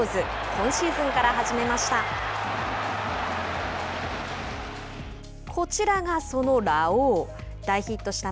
今シーズンから始めました。